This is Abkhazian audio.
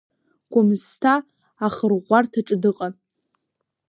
Гәымсҭа ахырӷәӷәарҭаҿы дыҟан.